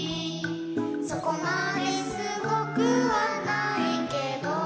「そこまですごくはないけど」